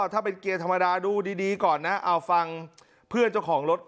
ถ้าเป็นเกียร์ธรรมดาดูดีก่อนนะเอาฟังเพื่อนเจ้าของรถ